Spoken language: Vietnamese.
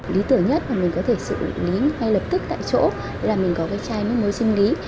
lý tưởng nhất mà mình có thể xử lý ngay lập tức tại chỗ là mình có cái chai nước muối sinh lý